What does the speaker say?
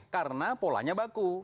karena polanya baku